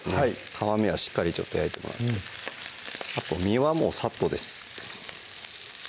皮目はしっかり焼いてもらってあと身はもうサッとです